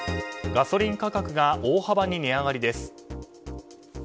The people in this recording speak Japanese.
ガソリン価格が大幅に値上がりです。